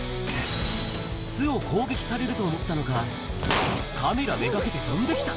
巣を攻撃されると思ったのか、カメラ目がけて飛んできた。